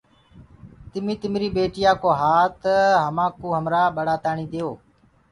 تمي تمري ٻيتايا ڪو هآت هماڪوٚ هرآ تآڻيٚ ديئو۔